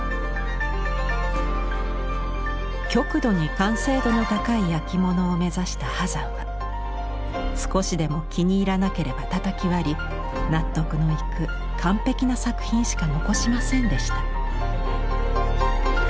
極度に完成度の高いやきものを目指した波山は少しでも気に入らなければたたき割り納得のいく完璧な作品しか残しませんでした。